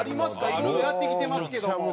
いろいろやってきてますけども。